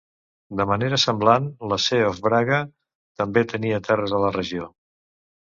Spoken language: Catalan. De manera semblant, la Sé of Braga també tenia terres a la regió.